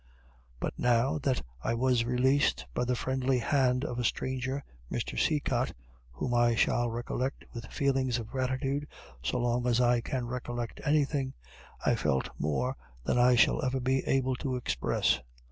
But now, that I was released by the friendly hand of a stranger, Mr. Cecott, whom I shall recollect with feelings of gratitude so long as I can recollect anything I felt more than I shall ever be able to express.